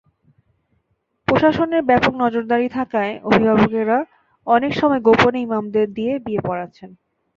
প্রশাসনের ব্যাপক নজরদারি থাকায় অভিভাবকেরা অনেক সময় গোপনে ইমামদের দিয়ে বিয়ে পড়াচ্ছেন।